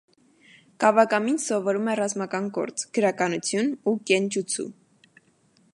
Կավակամին սովորում է ռազմական գործ, գրականություն ու կենջուցու։